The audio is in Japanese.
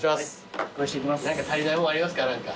何か足りないものありますか？